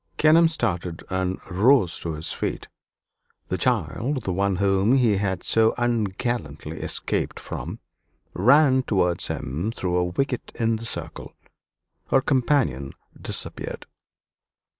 Kenelm started and rose to his feet. The child, the one whom he had so ungallantly escaped from, ran towards him through a wicket in the circle. Her companion disappeared.